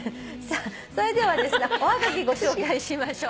それではおはがきご紹介しましょう。